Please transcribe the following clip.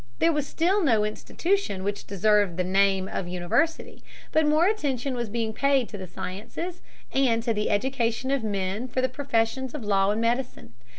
There was still no institution which deserved the name of university. But more attention was being paid to the sciences and to the education of men for the professions of law and medicine.